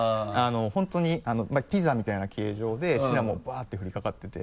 本当にまぁピザみたいな形状でシナモンバッてふりかかってて。